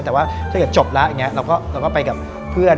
แต่ว่าถ้าเกิดจบแล้วเราก็ไปกับเพื่อน